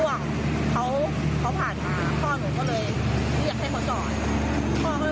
แล้วตามหายาดของแม่ลูกคู่นี้